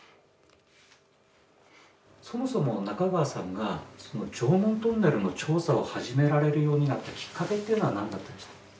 そもそも中川さんがその常紋トンネルの調査を始められるようになったきっかけっていうのは何だったんですか？